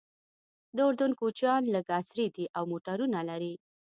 د اردن کوچیان لږ عصري دي او موټرونه لري.